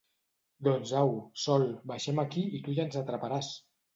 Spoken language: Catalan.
Doncs au, Sol, baixem aquí i tu ja ens atraparàs!